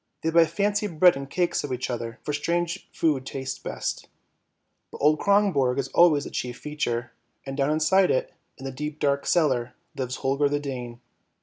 They buy fancy bread and cakes of each other, for strange food tastes best. But old Kronborg is always the chief feature, and down inside it, in the deep dark cellar, lives Holger the Dane.